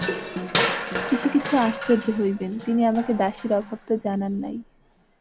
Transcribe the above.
পিসি কিছু আশ্চর্য হইবেন, তিনি আমাকে দাসীর অভাব তো জানান নাই।